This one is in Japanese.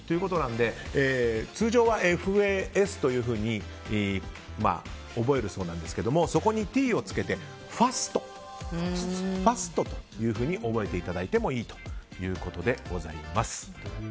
通常はＦＡＳというふうに覚えるそうなんですがそこにＴをつけてＦＡＳＴというふうに覚えていただいてもいいということでございます。